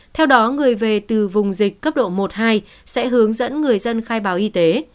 theo đó người về từ vùng dịch cấp độ một hai sẽ hướng dẫn người dân khai báo y tế